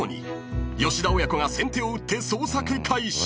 ［吉田親子が先手を打って捜索開始］